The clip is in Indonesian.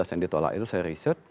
tiga belas yang ditolak itu saya riset